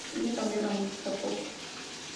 Ella cambió la música pop".